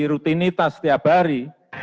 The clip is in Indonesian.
rutinitas setiap hari